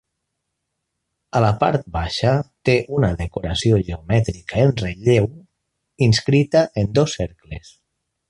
A la part baixa té una decoració geomètrica en relleu, inscrita en dos cercles.